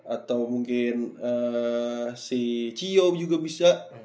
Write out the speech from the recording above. atau mungkin si cio juga bisa